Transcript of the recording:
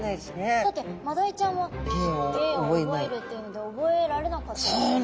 だってマダイちゃんは芸を覚えるっていうので覚えられなかったんですもんね。